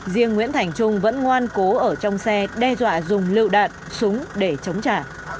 riêng nguyễn thảnh trung vẫn ngoan cố ở trong xe đe dọa dùng liều đạn súng để chống trả